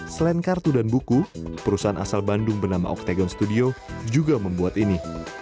selain kartu dan buku perusahaan asal bandung bernama octagon studio juga membuat ini